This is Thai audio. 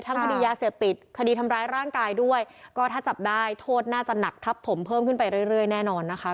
คดียาเสพติดคดีทำร้ายร่างกายด้วยก็ถ้าจับได้โทษน่าจะหนักทับผมเพิ่มขึ้นไปเรื่อยแน่นอนนะคะ